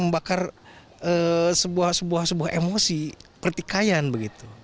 bakar sebuah sebuah emosi pertikaian begitu